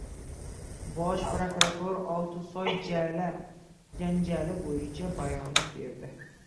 Bosh prokuratura Oltinsoydagi janjal bo‘yicha bayonot berdi